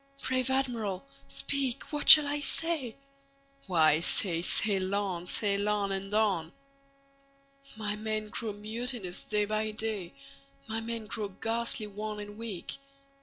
Brave Admiral, speak, what shall I say?""Why, say, 'Sail on! sail on! and on!'""My men grow mutinous day by day; My men grow ghastly wan and weak."